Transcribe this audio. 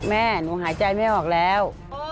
แม่หนูหายใจไม่ออกแล้ว